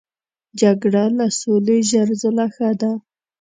جګړه له سولې زر ځله ښه ده.